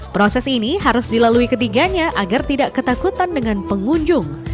proses ini harus dilalui ketiganya agar tidak ketakutan dengan pengunjung